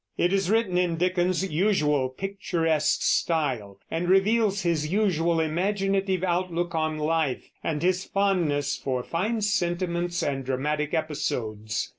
It is written in Dickens's usual picturesque style, and reveals his usual imaginative outlook on life and his fondness for fine sentiments and dramatic episodes.